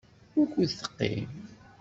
Wukud teqqim?